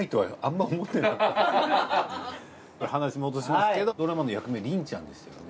話戻しますけどドラマの役名凛ちゃんですよね？